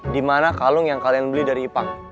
dimana kalung yang kalian beli dari ipang